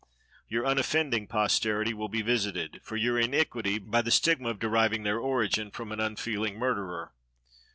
Your unoffending posterity will be visited, for your iniquity, by the stigma of deriving their origin from an unfeeling murderer.